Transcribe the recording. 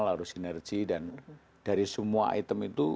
harus sinergi dan dari semua item itu